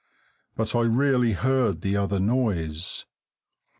But I really heard the other noise.